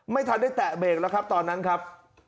ไม่ทันได้แตะเบรกแล้วครับตอนนั้นครับ